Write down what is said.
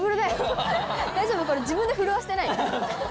大丈夫これ自分で震わせてない？